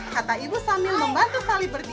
kata ibu sambil membantu sali berdiri